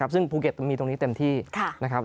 ซึ่งภูเก็ตมีตรงนี้เต็มที่นะครับ